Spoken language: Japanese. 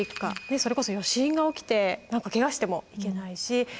それこそ余震が起きてけがしてもいけないし。